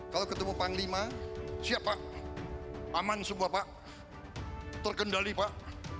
kalau ketemu panglima siap pak aman semua pak terkendali pak